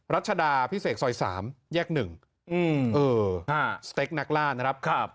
รัชดาพิเศษซอย๓แยก๑สเต็กนักล่านะครับ